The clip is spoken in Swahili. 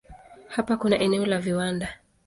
Hapa kuna eneo la viwanda.